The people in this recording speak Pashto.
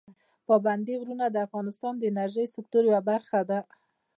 پابندي غرونه د افغانستان د انرژۍ سکتور یوه برخه ده.